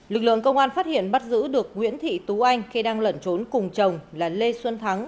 lực lượng công an phát hiện bắt giữ được nguyễn thị tú anh khi đang lẩn trốn cùng chồng là lê xuân thắng